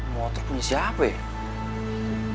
motor punya siapa ya